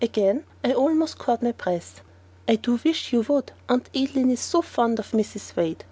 Again I almost caught my breath. "I do wish you would, Aunt Adeline is so fond of Mrs. Wade!"